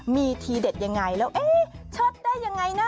มีทีเด็ดยังไงแล้วเอ๊ะเชิดได้ยังไงนะ